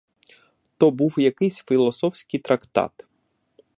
То був якийсь філософський трактат.